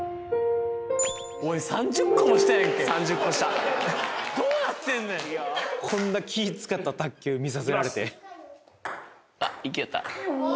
おい３０個も下やんけ３０個下どうなってんねんこんな気使った卓球見させられていきます